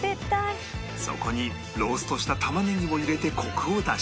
そこにローストした玉ねぎを入れてコクを出し